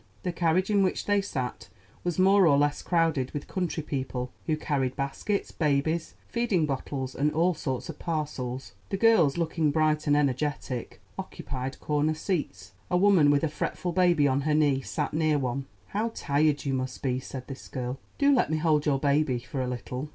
The carriage in which they sat was more or less crowded with country people who carried baskets, babies, feeding bottles, and all sorts of parcels. The girls, looking bright and energetic, occupied corner seats. A woman with a fretful baby on her knee sat near one. "How tired you must be!" said this girl. "Do let me hold your baby for a little."